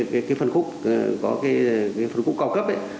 cái phân khúc có cái phân khúc cao cấp ấy